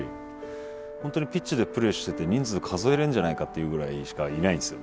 本当にピッチでプレーしてて人数数えれんじゃないかっていうぐらいしかいないんですよ